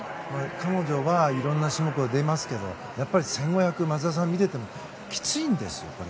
彼女はいろんな種目に出ますけどやっぱり１５００松田さん、見ていてもきついんですよ。